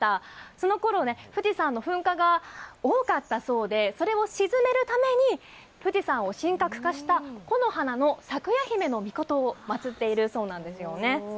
そのころ、富士山の噴火が多かったそうで、それをしずめるために富士山を神格化した木花開耶姫の命を祭っているんですね。